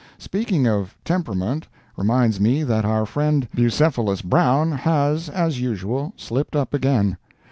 Speaking of temperament reminds me that our friend Bucephalus Brown has, as usual, slipped up again.